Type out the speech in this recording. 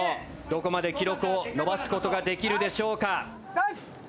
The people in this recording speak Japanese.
どこまで記録をのばす事ができるでしょうか。